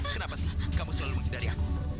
kenapa sih kamu selalu menghindari aku